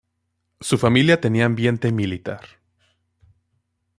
Su familia tenía ambiente militar.